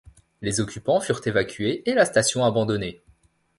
Les occupants furent évacués et la station abandonnée.